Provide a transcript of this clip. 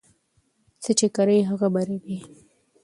څه چې کري هغه به رېبې